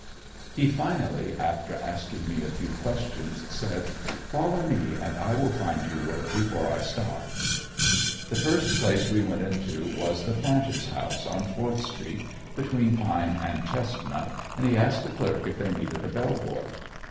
He finally, after asking me a few questions, said: "Follow me and I will find you work before I stop." The first place we went into was the Planters' House, on Fourth street, between Pine and Chestnut, and he asked the clerk if they needed a bell boy.